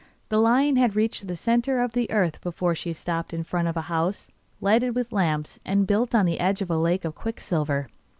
The lion had reached the centre of the earth before she stopped in front of a house, lighted with lamps, and built on the edge of a lake of quicksilver.